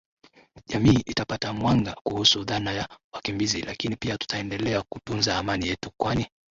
Jamii itapata mwanga kuhusu dhana ya wakimbizi lakini pia tutaendelea kutunza amani yetu kwani